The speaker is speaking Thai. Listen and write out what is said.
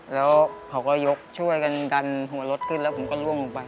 แล้วเขาก็ยกช่วยกันดันหัวรถขึ้นแล้วผมก็ล่วงลงไป